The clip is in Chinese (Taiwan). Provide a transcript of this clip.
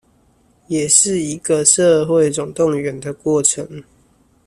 也是一個社會總動員的過程